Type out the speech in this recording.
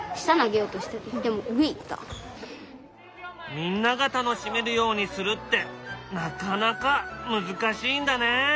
みんなが楽しめるようにするってなかなか難しいんだね。